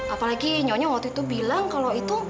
apalagi nyonya waktu itu bilang kalau itu